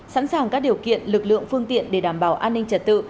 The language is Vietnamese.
sẵn sàng các điều kiện lực lượng phương tiện để đảm bảo an ninh trật tự